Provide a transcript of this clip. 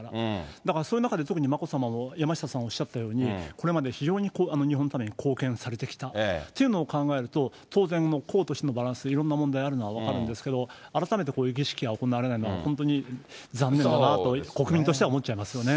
だから、そういう中で特に眞子さまは、山下さんおっしゃったように、これまで非常に日本のために貢献されてきたというのを考えると、当然もう公と私のバランス、いろんな問題あるのは分かるんですけど、改めて儀式が行われないのは、本当に残念だなと国民としては思っちゃいますよね。